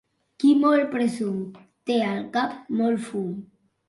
Qui molt presum té al cap molt fum.